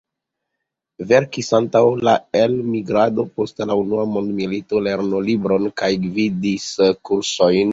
Verkis antaŭ la elmigrado post la Unua Mondmilito lernolibron kaj gvidis kursojn.